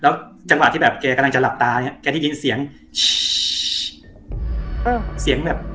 แล้วจังหวะที่แบบแกกำลังจะหลับตาเนี้ยแกได้ยินเสียงเออเสียงแบบ